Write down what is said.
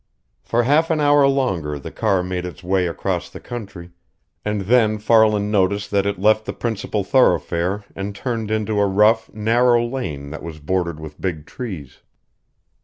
For half an hour longer the car made its way across the country, and then Farland noticed that it left the principal thoroughfare and turned into a rough, narrow lane that was bordered with big trees.